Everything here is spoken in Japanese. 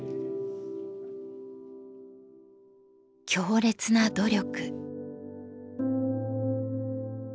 「強烈な努力」。